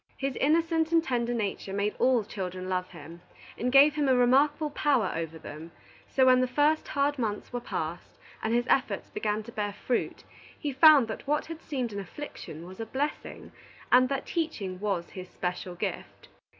His innocent and tender nature made all children love him, and gave him a remarkable power over them; so when the first hard months were past, and his efforts began to bear fruit, he found that what had seemed an affliction was a blessing, and that teaching was his special gift.